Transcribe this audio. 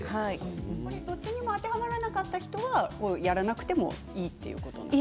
どっちも当てはまらなかった方はやらなくていいということですか。